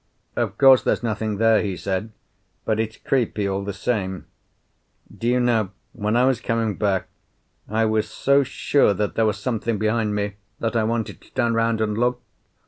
"Of course there's nothing there," he said, "but it's creepy, all the same. Do you know, when I was coming back I was so sure that there was something behind me that I wanted to turn round and look?